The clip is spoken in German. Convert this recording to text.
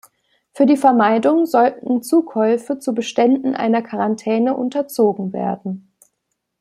Für die Vermeidung sollten Zukäufe zu Beständen einer Quarantäne unterzogen werden.